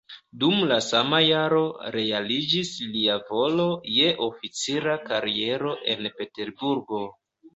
Dum la sama jaro realiĝis lia volo je oficira kariero en Peterburgo.